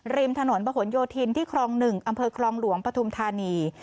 ริมถนนประหลโยธินที่คลอง๑อำเภอครองหลวงปฐุมธานี